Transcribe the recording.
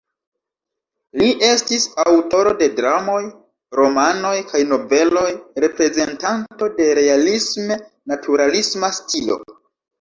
Li estis aŭtoro de dramoj, romanoj kaj noveloj, reprezentanto de realisme-naturalisma stilo.